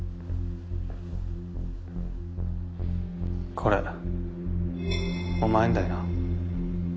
これお前んだよな？